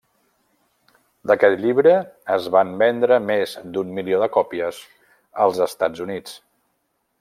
D'aquest llibre es van vendre més d'un milió de còpies als Estats Units.